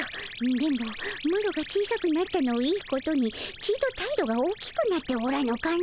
電ボマロが小さくなったのをいいことにちと態度が大きくなっておらぬかの？